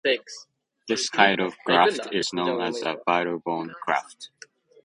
This kind of graft is known as a vital bone graft.